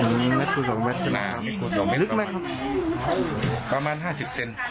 อืมเม็ดคูณสองเม็ดน่านึกไหมครับประมาณ๕๐เซ็นต์